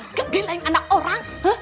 nggak belain anak orang